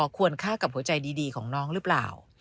ควรฆ่ากับหัวใจดีของน้องหรือเปล่า